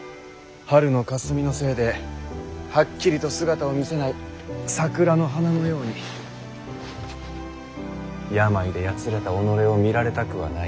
春の霞のせいではっきりと姿を見せない桜の花のように病でやつれた己を見られたくはない。